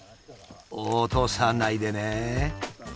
落とさないでね。